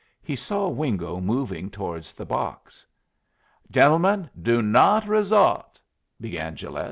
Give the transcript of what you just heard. He saw Wingo moving towards the box. "Gentlemen, do not resort " began Gilet.